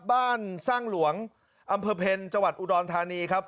บ้านสร้างหลวงอำเภอเพลจังหวัดอุดรธานีครับ